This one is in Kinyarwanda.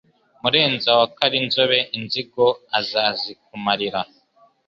Murenza wa Karinzobe Inzigo izazikumarira.